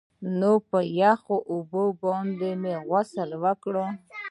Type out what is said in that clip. نو په يخو اوبو باندې مې غسل وکړ.